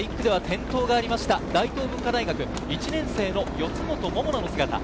１区では転倒があった大東文化大学、１年生の四元桃奈の姿。